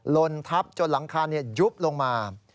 ลนทับจนหลังคายุบลงมา